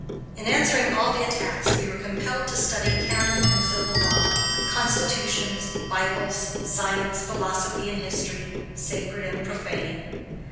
In answering all the attacks, we were compelled to study canon and civil law, constitutions, Bibles, science, philosophy, and history, sacred and profane.